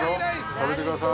食べてください。